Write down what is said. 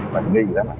mình nghi lắm